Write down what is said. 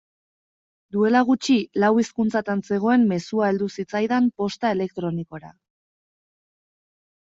Duela gutxi lau hizkuntzatan zegoen mezua heldu zitzaidan posta elektronikora.